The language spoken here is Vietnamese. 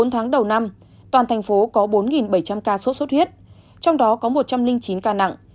bốn tháng đầu năm toàn thành phố có bốn bảy trăm linh ca sốt xuất huyết trong đó có một trăm linh chín ca nặng